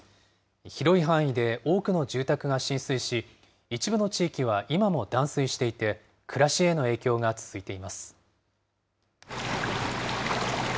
広い範囲で、多くの住宅が浸水し、一部の地域は今も断水していて、暮らしへの影響が続いています。